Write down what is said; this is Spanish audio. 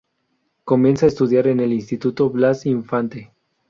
Comienza a estudiar en el Instituto Blas Infante.